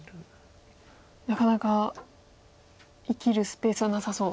なかなか生きるスペースはなさそう。